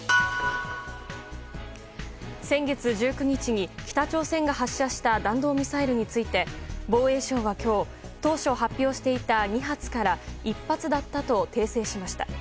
先月１９日に北朝鮮が発射した弾道ミサイルについて防衛省は今日当初発表していた２発から１発だったと訂正しました。